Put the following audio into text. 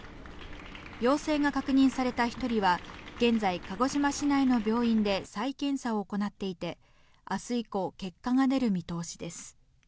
陽性が確認された１人は、現在、鹿児島市内の病院で再検査を行っていて、あす以降、結果が出る